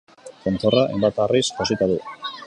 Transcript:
Tontorra, hainbat harriz josita du.